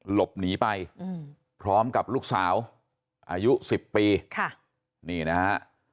หลบหนีไปพร้อมกับลูกสาวอายุ๑๐ปีค่ะนี่นะฮะ